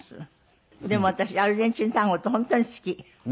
でも私アルゼンチン・タンゴって本当に好き。